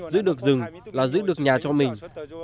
giữ được rừng là giữ được nhà cho mình